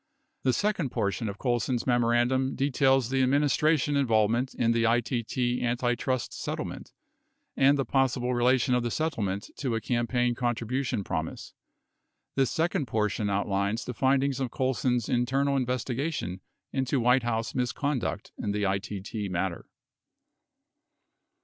The second portion of Colson's memorandum details the administration involvement in the ITT anti trust settlement and the possible relation of the settle ment to a campaign contribution promise . 55 This second portion out lines the findings of Colson's internal investigation into White House misconduct in the ITT matter.